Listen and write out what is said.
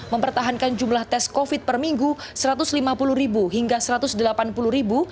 mempertahankan jumlah tes covid per minggu satu ratus lima puluh hingga satu ratus delapan puluh ribu